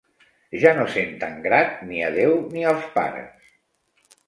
Ja no senten grat ni a Déu ni als pares.